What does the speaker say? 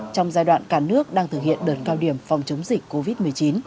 trong giai đoạn cả nước đang thực hiện đợt cao điểm phòng chống dịch covid một mươi chín